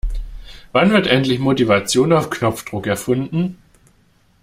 Wann wird endlich Motivation auf Knopfdruck erfunden?